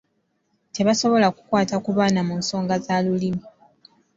Tebasobola kukwata ku baana mu nsonga za Lulimi.